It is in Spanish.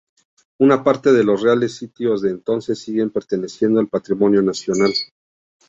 Una parte de los reales sitios de entonces siguen perteneciendo al Patrimonio Nacional.